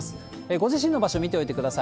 ご自身の場所見ておいてください。